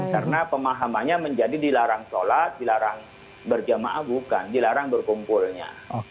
karena pemahamannya menjadi dilarang sholat dilarang berjamaah bukan dilarang berkumpulnya